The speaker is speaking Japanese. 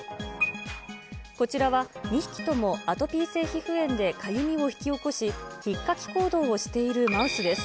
こちらは２匹ともアトピー性皮膚炎でかゆみを引き起こし、ひっかき行動をしているマウスです。